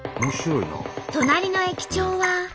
隣の駅長は。